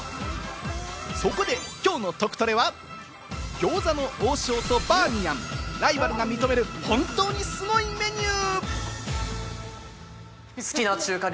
そこで、きょうのトクトレは餃子の王将とバーミヤン、ライバルが認める本当にすごいメニュー。